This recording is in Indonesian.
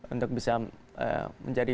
untuk bisa menjadi